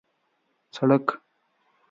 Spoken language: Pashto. سړک